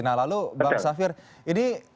nah lalu bang safir ini